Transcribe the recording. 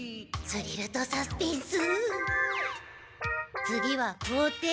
スリルとサスペンス。